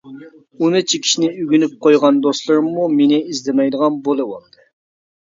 ئۇنى چېكىشنى ئۆگىنىپ قويغان دوستلىرىممۇ مېنى ئىزدىمەيدىغان بولۇۋالدى.